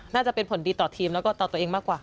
น่าจะเป็นผลดีต่อทีมแล้วก็ต่อตัวเองมากกว่า